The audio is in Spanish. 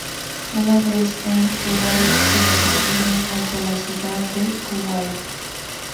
Una vez en Kuwait, se dirigieron hacia la ciudad de Kuwait.